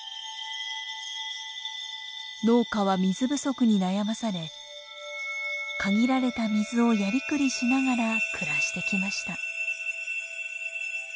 農家は水不足に悩まされ限られた水をやりくりしながら暮らしてきました。